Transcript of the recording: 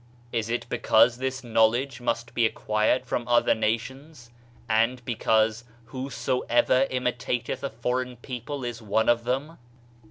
Is it because thi& knowledge must be acquired from other nations, and because "Who soever imitateth a foreign people is one of them"?